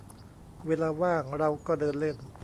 เวลาว่างเราก็เดินเล่น